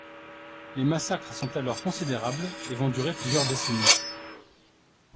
Les massacres sont alors considérables et vont durer plusieurs décennies.